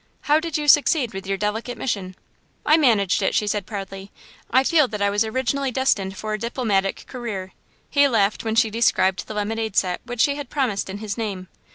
How did you succeed with your delicate mission?" "I managed it," she said proudly. "I feel that I was originally destined for a diplomatic career." He laughed when she described the lemonade set which she had promised in his name.